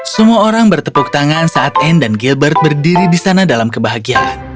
semua orang bertepuk tangan saat anne dan gilbert berdiri di sana dalam kebahagiaan